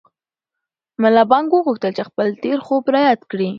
ملا بانګ وغوښتل چې خپل تېر خوب را یاد کړي.